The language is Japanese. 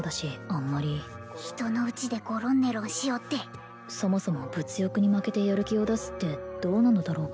あんまり人のうちでごろんねろんしおってそもそも物欲に負けてやる気を出すってどうなのだろう